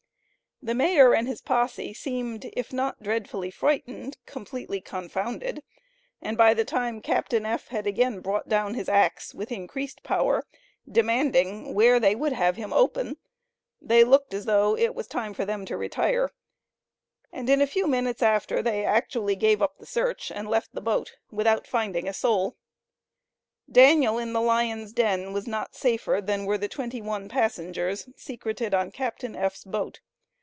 The mayor and his posse seemed, if not dreadfully frightened, completely confounded, and by the time Captain F. had again brought down his axe with increased power, demanding where they would have him open, they looked as though it was time for them to retire, and in a few minutes after they actually gave up the search and left the boat without finding a soul. Daniel in the lions' den was not safer than were the twenty one passengers secreted on Captain F.'s boat.